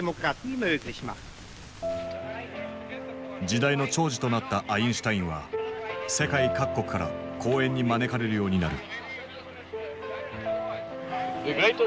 時代の寵児となったアインシュタインは世界各国から講演に招かれるようになる。